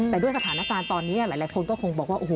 แต่ด้วยสถานการณ์ตอนนี้หลายคนก็คงบอกว่าโอ้โห